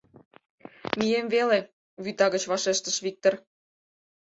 Мием веле! — вӱта гыч вашештыш Виктыр.